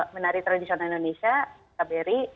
menari tradisional indonesia kaberi